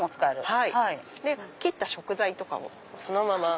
で切った食材とかをそのまま。